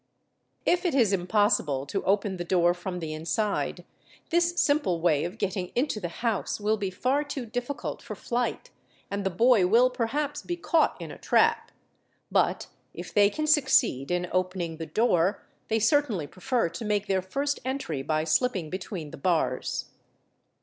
If it is impossible to open the door from the inside, this simple way of getting into the house will be far too difficult for flight and the boy will perhaps be caught in a ap; but if they can succeed in opening the door, they certainly prefer ) make their first entry by slipping between the bars.